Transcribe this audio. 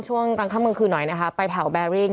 ช่วงตั้งข้างเมืองคืนหน่อยนะคะไปเผาแบริ่ง